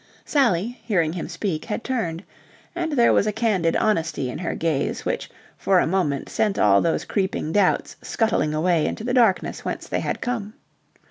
Sally, hearing him speak, had turned. And there was a candid honesty in her gaze which for a moment sent all those creeping doubts scuttling away into the darkness whence they had come.